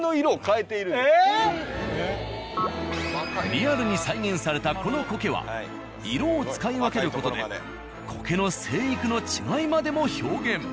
リアルに再現されたこの苔は色を使い分ける事で苔の生育の違いまでも表現。